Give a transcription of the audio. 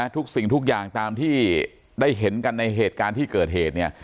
ทุกสิ่งทุกอย่างตามที่ได้เห็นกันในเหตุการณ์ที่เกิดเหตุเนี่ย